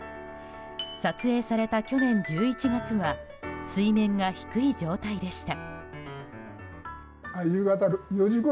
撮影された去年１１月は水面が低い状態でした。